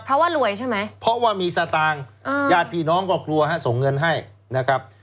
เพราะว่ารวยใช่ไหมเพราะว่ามีสตางค์ญาติพี่น้องก็กลัวฮะส่งเงินให้นะครับ